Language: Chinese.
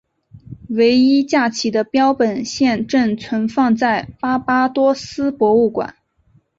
唯一架起的标本现正存放在巴巴多斯博物馆。